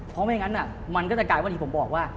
เพราะมันก็กลายที่ผมบอกว่า